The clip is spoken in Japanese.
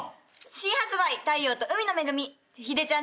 「新発売太陽と海の恵みヒデちゃん